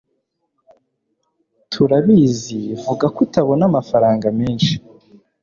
turabizi vuga ko utabona amafaranga menshi